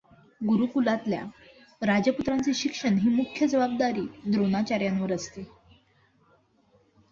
गुरूकुलातल्या राजपुत्रांचे शिक्षण ही मुख्य जबाबदारी द्रोणाचार्यांवर असते.